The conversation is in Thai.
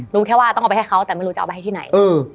รู้แค่ว่าต้องเอาไปให้เขาแต่ไม่รู้จะเอาไปให้ที่ไหน